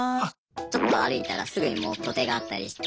ちょっと歩いたらすぐにもう土手があったりして。